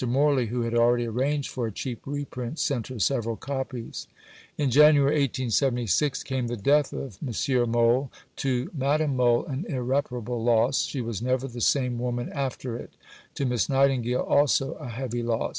Morley, who had already arranged for a cheap reprint, sent her several copies. In January 1876 came the death of M. Mohl to Madame Mohl an irreparable loss; she was never the same woman after it; to Miss Nightingale also a heavy loss.